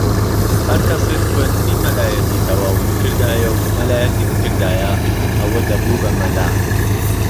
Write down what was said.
ھەر کەسێک خوێندنی مەلایەتی تەواو بکردایە و مەلایەتی بکردایە ئەوە دەبوو بە مەلا